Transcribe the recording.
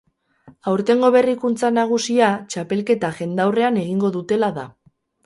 Aurtengo berrikuntza nagusia txapelketa jendaurrean egingo dutela da.